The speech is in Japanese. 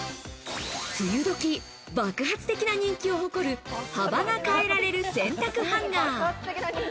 梅雨時、爆発的な人気を誇る、幅が変えられる洗濯ハンガー。